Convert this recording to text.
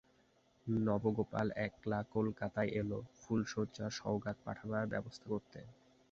নবগোপাল একলা কলকাতায় এল ফুলশয্যার সওগাত পাঠাবার ব্যবস্থা করতে।